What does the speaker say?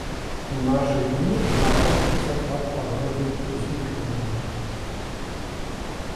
У нашы дні знаходзіцца пад пагрозай знікнення.